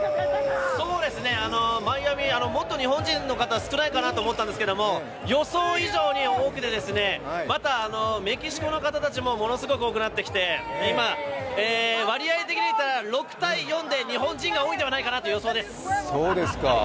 マイアミ、もっと日本人の方少ないかなと思ったんですが予想以上に多くてですね、またメキシコの方たちもものすごく多くなってきて、今、割合的には６：４で日本人が多いのではないかなという予想です。